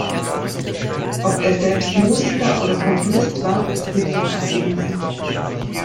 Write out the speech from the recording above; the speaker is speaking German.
Ob er selbst Musiker oder Komponist war, ist nicht nachgewiesen.